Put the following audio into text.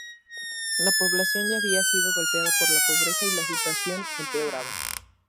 La población ya había sido golpeada por la pobreza y la situación empeoraba.